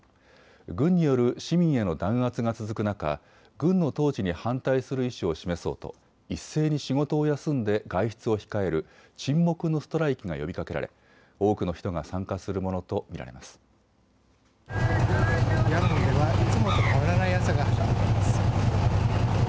軍による市民への弾圧が続く中、軍の統治に反対する意思を示そうと一斉に仕事を休んで外出を控える沈黙のストライキが呼びかけられ多くの人が参加するものと見られます。